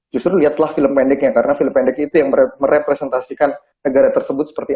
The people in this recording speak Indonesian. justru lihatlah film pendeknya karena film pendek itu yang merepresentasikan negara tersebut seperti